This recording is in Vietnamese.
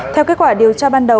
theo kết quả điều tra ban đầu